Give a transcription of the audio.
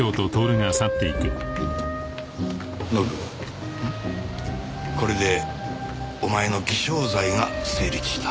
ノブこれでお前の偽証罪が成立した。